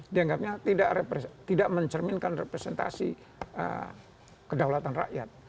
dianggapnya tidak mencerminkan representasi kedaulatan rakyat